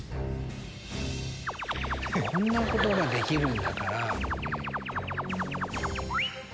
こんなことができるんだから。